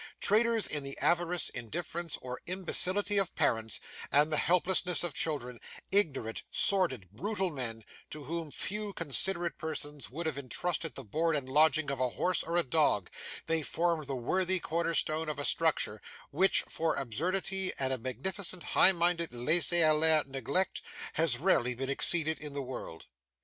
Traders in the avarice, indifference, or imbecility of parents, and the helplessness of children; ignorant, sordid, brutal men, to whom few considerate persons would have entrusted the board and lodging of a horse or a dog; they formed the worthy cornerstone of a structure, which, for absurdity and a magnificent high minded LAISSEZ ALLER neglect, has rarely been exceeded in the world.